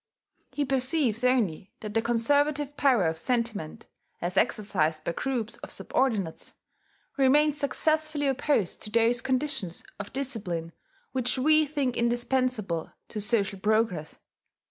He perceives only that the conservative power of sentiment, as exercised by groups of subordinates, remains successfully opposed to those conditions of discipline which we think indispensable to social progress.